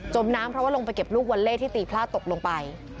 มน้ำเพราะว่าลงไปเก็บลูกวัลเล่ที่ตีพลาดตกลงไป